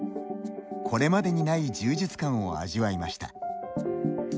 これまでにない充実感を味わいました。